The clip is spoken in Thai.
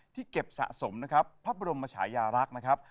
เก็บสะสมนะครับพระบรมชายารักษ์นะครับ